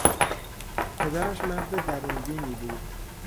پدرش مرد درون بینی بود.